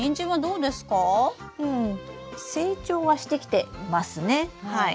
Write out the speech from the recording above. うん成長はしてきていますねはい。